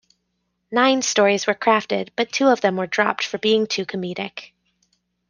Nine stories were crafted, but two of them were dropped for being too comedic.